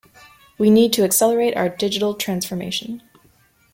We need to accelerate our digital transformation.